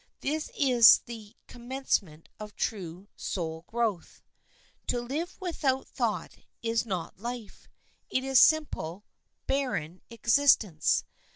This is the commencement of true soul growth. To live without thought is not life; it is simple, barren existence.